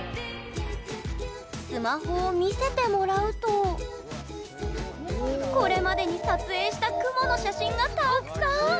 スマホを見せてもらうとこれまでに撮影した雲の写真がたくさん！